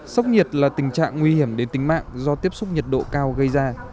sốc nhiệt là tình trạng nguy hiểm đến tính mạng do tiếp xúc nhiệt độ cao gây ra